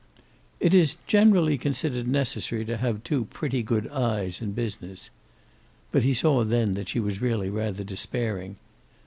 "It is generally considered necessary to have two pretty good eyes in business." But he saw then that she was really rather despairing.